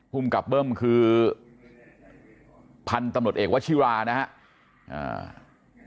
ภูมิกับเบิ้มคือพันธุ์ตำรวจเอกวชิรานะครับ